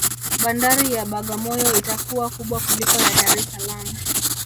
bandari ya bagamoyo itakuwa kubwa kuliko ya dar es salaam